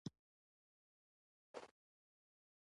هر کاروبار ته اخلاق اړتیا لري.